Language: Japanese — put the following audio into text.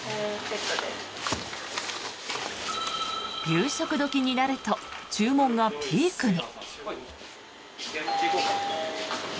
夕食時になると注文がピークに。